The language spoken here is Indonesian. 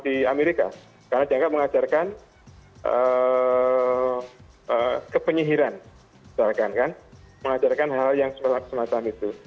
di amerika karena jangka mengajarkan kepenyihiran misalkan kan mengajarkan hal hal yang semacam itu